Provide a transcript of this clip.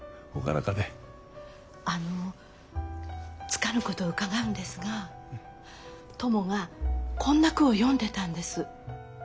あのつかぬことを伺うんですがトモがこんな句を詠んでたんです。